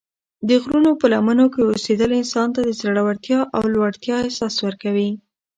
د غرونو په لمنو کې اوسېدل انسان ته د زړورتیا او لوړتیا احساس ورکوي.